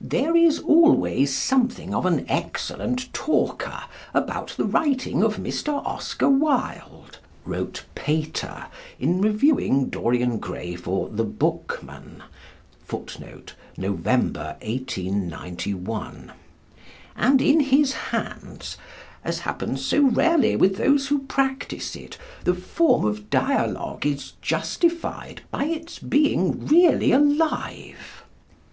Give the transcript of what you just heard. There is always something of an excellent talker about the writing of Mr. Oscar Wilde, (wrote Pater, in reviewing "Dorian Gray" for The Bookman) and in his hands, as happens so rarely with those who practise it, the form of dialogue is justified by its being really alive.